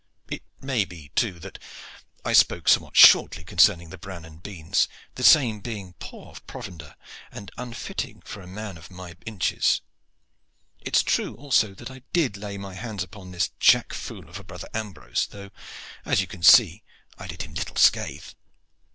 It may be, too, that I spoke somewhat shortly concerning the bran and the beans, the same being poor provender and unfitted for a man of my inches. It is true also that I did lay my hands upon this jack fool of a brother Ambrose, though, as you can see, I did him little scathe.